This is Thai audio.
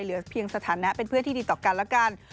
เหลือเพียงสถานะเป็นเพื่อนที่ดีต่อกันแล้วกัน